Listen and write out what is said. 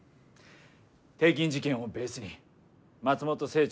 帝銀事件をベースに松本清張